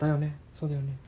そうだよね。